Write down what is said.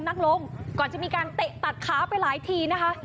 นั่งลงก่อนจะมีการเตะตัดขาไปหลายทีนะคะ